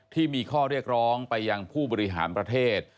ที่มีข้อเรียกร้องไปยังผู้บริหารประเทศ